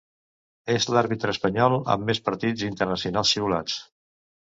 És l'àrbitre espanyol amb més partits internacionals xiulats.